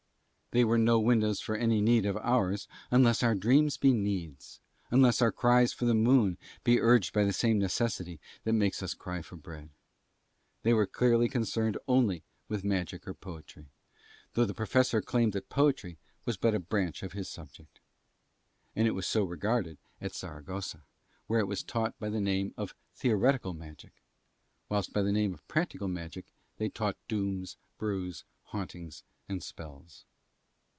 They were no windows for any need of ours, unless our dreams be needs, unless our cries for the moon be urged by the same Necessity as makes us cry for bread. They were clearly concerned only with magic or poetry; though the Professor claimed that poetry was but a branch of his subject; and it was so regarded at Saragossa, where it was taught by the name of theoretical magic, while by the name of practical magic they taught dooms, brews, hauntings, and spells.